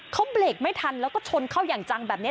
เขาเบรกไม่ทันแล้วก็ชนเข้าอย่างจังแบบนี้